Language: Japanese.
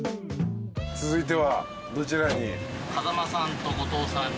続いてはどちらに？